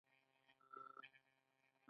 پرېوتل خوند دی.